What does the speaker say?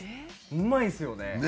うまいんですよね。